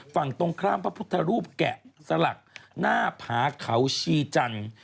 ฝั่งตรงข้ามพระพุทธรูปแกะสลักหน้าผาเขาชีจันทร์